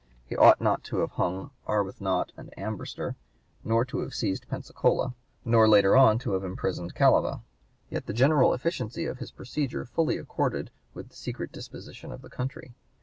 He ought not to have hung Arbuthnot and Ambrister, nor to have seized (p. 160) Pensacola, nor later on to have imprisoned Callava; yet the general efficiency of his procedure fully accorded with the secret disposition of the country.